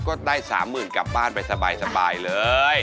ก็ได้๓หมื่นบาทกลับบ้านไปสบายเลย